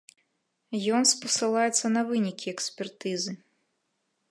Ён спасылаецца на вынікі экспертызы.